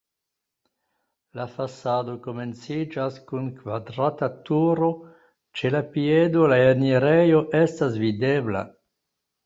La fasado komenciĝas kun kvadrata turo, ĉe la piedo la enirejo estas videbla.